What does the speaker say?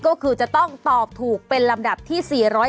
ก็คือจะต้องตอบถูกเป็นลำดับที่๔๕